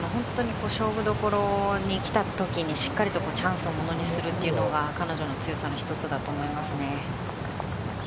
勝負どころにきたときにしっかりとチャンスをものにするというのが彼女の強さの１つだと思いますね。